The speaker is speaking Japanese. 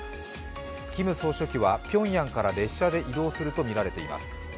キム総書記はピョンヤンから列車で移動するとみられています。